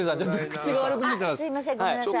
すいませんごめんなさい。